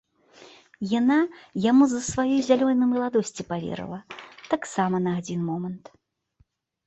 Яна яму з-за сваёй зялёнай маладосці паверыла, таксама на адзін момант.